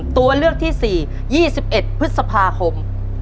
ตัวเลือกที่สี่ยี่สิบเอ็ดพฤษภาคม